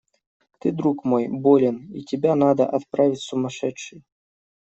Ты, друг мой, болен, и тебя надо отправить в сумасшедший.